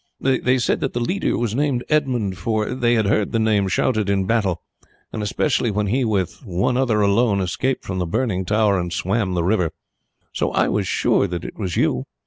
"They said that the leader was named Edmund, for they had heard the name shouted in battle; and especially when he, with one other alone, escaped from the burning tower and swam the river. So I was sure that it was you.